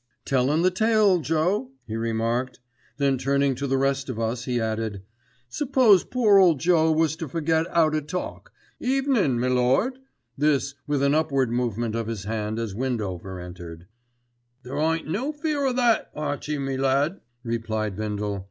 "Tellin' the tale, Joe," he remarked. Then turning to the rest of us he added, "Suppose poor old Joe was to forget 'ow to talk. Evenin', m'lord," this with an upward movement of his hand as Windover entered. "There ain't no fear o' that, Archie my lad," replied Bindle.